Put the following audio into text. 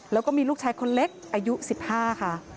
แล้วก็มีลูกชายคนเล็กอายุ๑๕ค่ะ